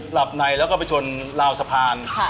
หลับในแล้วก็ไปชนราวสะพาน